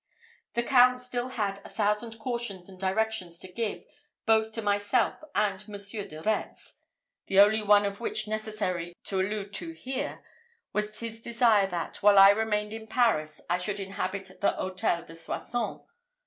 The Count had still a thousand cautions and directions to give, both to myself and Monsieur de Retz, the only one of which necessary to allude to here, was his desire that, while I remained in Paris, I should inhabit the Hôtel de Soissons.